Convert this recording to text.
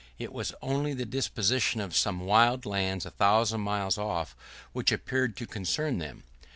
It was only the disposition of some wild lands a thousand miles off which appeared to concern them.